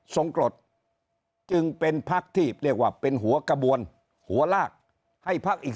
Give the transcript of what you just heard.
กรดจึงเป็นพักที่เรียกว่าเป็นหัวกระบวนหัวลากให้พักอีก